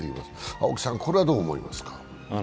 青木さん、これはどう思いますか？